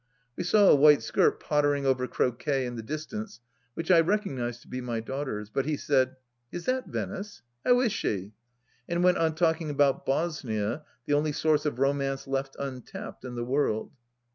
We saw a white skirt pottering over croquet in the distance — ^which I recognized to be my daughter's ; but he said :" Is that Venice ? How is she ?" and went on talking about Bosnia — the only source of romance left untapped in the world